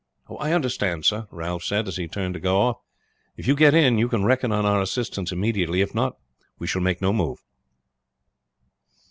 "I understand, sir," Ralph said as he turned to go off. "If you get in you can reckon on our assistance immediately; if not, we shall make no move."